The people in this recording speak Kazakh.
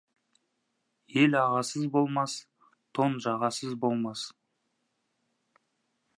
Ел ағасыз болмас, тон жағасыз болмас.